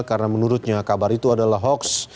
karena menurutnya kabar itu adalah hoax